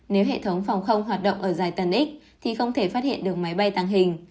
nếu hệ thống phòng không hoạt động ở dài tần x thì không thể phát hiện được máy bay tàng hình